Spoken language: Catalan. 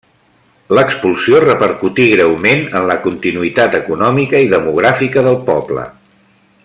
L'expulsió repercutí greument en la continuïtat econòmica i demogràfica del poble.